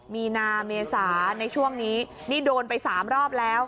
มีนาเมษาในช่วงนี้นี่โดนไป๓รอบแล้ว